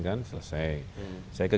kan selesai saya ke